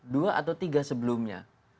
dua atau tiga sebelumnya